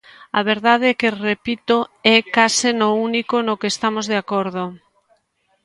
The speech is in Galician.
A verdade é que –repito– é case no único no que estamos de acordo.